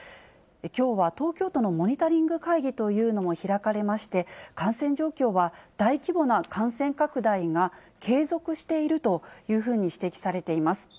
きょうは東京都のモニタリング会議というのも開かれまして、感染状況は大規模な感染拡大が継続しているというふうに指摘されています。